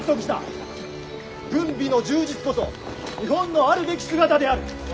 軍備の充実こそ日本のあるべき姿である！